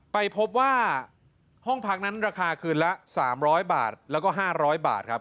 ไปพบว่าห้องพักนั้นราคาคืนละ๓๐๐บาทแล้วก็๕๐๐บาทครับ